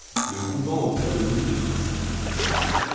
Le couvent au point de vue des principes